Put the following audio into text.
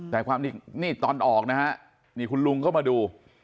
แต่ความจริงนี่ตอนออกนะฮะนี่คุณลุงเข้ามาดู